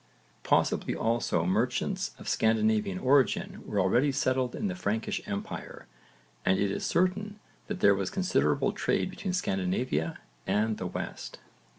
Possibly also merchants of Scandinavian origin were already settled in the Frankish empire and it is certain that there was considerable trade between Scandinavia and the West.